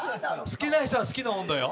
好きな人は好きや。